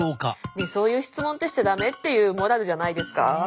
そういう質問ってしちゃ駄目っていうモラルじゃないですか？